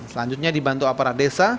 selanjutnya dibantu aparat desa